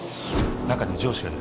中に上司がいる